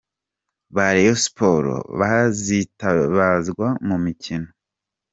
ba Rayon Sports bazitabazwa mu mukino:.